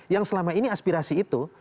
yang selama ini aspirasi itu